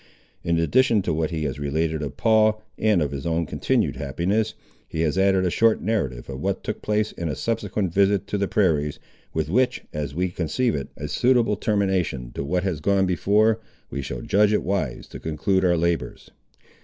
In addition to what he has related of Paul, and of his own continued happiness, he has added a short narrative of what took place in a subsequent visit to the prairies, with which, as we conceive it a suitable termination to what has gone before, we shall judge it wise to conclude our labours.